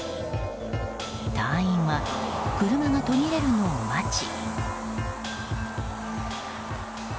隊員は車が途切れるのを待ち。